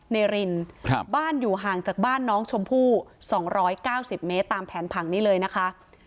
รินบ้านอยู่ห่างจากบ้านน้องชมพู่๒๙๐เมตรตามแผนผังนี้เลยนะคะ